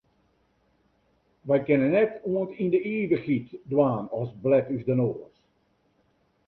Wy kinne net oant yn de ivichheid dwaan as blet ús de noas.